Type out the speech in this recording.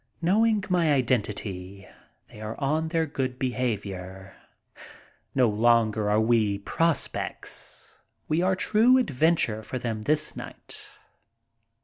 Knowing my identity, they are on their good behavior. No longer are we prospects. We are true adventure for them this night.